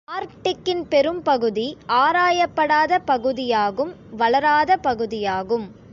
ஆர்க்டிக்கின் பெரும் பகுதி ஆராயப்படாத பகுதியாகும் வளராத பகுதியாகும்.